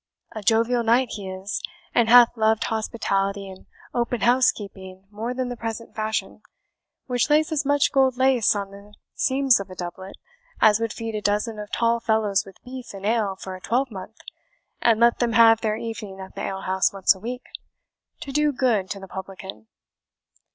A jovial knight he is, and hath loved hospitality and open housekeeping more than the present fashion, which lays as much gold lace on the seams of a doublet as would feed a dozen of tall fellows with beef and ale for a twelvemonth, and let them have their evening at the alehouse once a week, to do good to the publican."